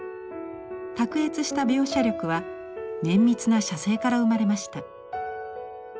卓越した描写力は綿密な写生から生まれました。